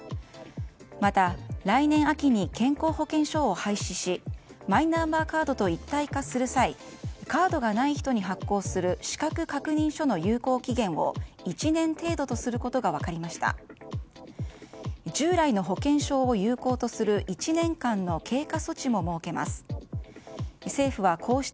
また、来年秋に健康保険証を廃止しマイナンバーカードと一体化する際カードがない人に発行する資格確認書の有効期限を１年程度とすることが分かりました。